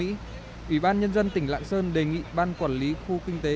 ủy ban nhân dân tỉnh lạng sơn đề nghị ban quản lý khu kinh tế